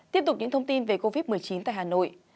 tiếp tục những thông tin về covid một mươi chín tại hà nội